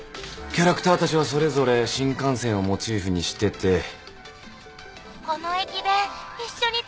キャラクターたちはそれぞれ新幹線をモチーフにしてて。